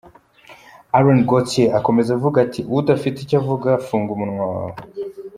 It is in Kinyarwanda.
Alain Gauthier akomeza avuga ati «udafite icyo uvuga, funga umunwa wawe.